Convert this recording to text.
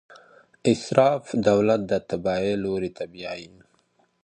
اسراف دولت د تباهۍ لور ته بیايي.